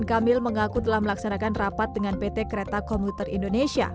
dan kamil mengaku telah melaksanakan rapat dengan pt kereta komuter indonesia